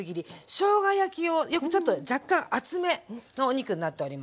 しょうが焼きをよくちょっと若干厚めのお肉になっております。